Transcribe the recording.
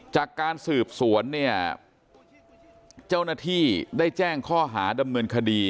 จากการสืบสวนเนี่ยเจ้าหน้าที่ได้แจ้งข้อหาดำเนินคดี